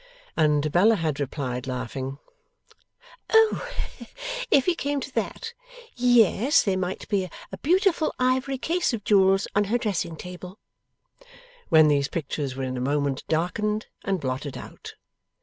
and Bella had replied laughing. O! if he came to that, yes, there might be a beautiful ivory case of jewels on her dressing table; when these pictures were in a moment darkened and blotted out.